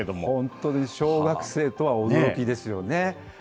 本当に小学生とは驚きですよね。